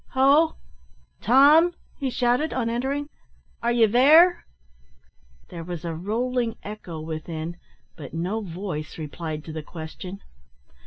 "Ho! Tom!" he shouted, on entering, "are you there?" There was a rolling echo within, but no voice replied to the question.